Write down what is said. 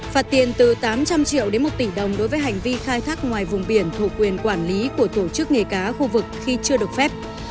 phạt tiền từ tám trăm linh triệu đến một tỷ đồng đối với hành vi khai thác ngoài vùng biển thuộc quyền quản lý của tổ chức nghề cá khu vực khi chưa được phép